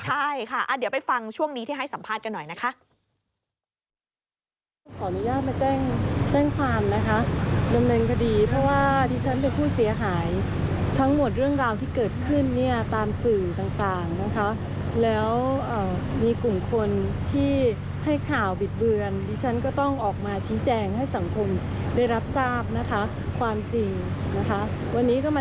ใช่ค่ะเดี๋ยวไปฟังช่วงนี้ที่ให้สัมภาษณ์กันหน่อยนะคะ